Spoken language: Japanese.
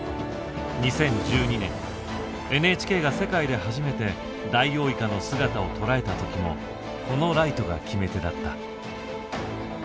２０１２年ＮＨＫが世界で初めてダイオウイカの姿を捉えた時もこのライトが決め手だった。